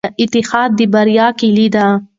اتحاد د بریا کیلي ده.